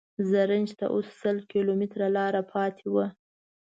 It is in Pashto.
زرنج ته اوس سل کیلومتره لاره پاتې وه.